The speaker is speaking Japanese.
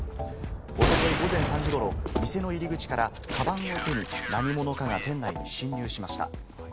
おととい午前３時ごろ、店の入り口からカバンを手に何者かが店内に侵入しました。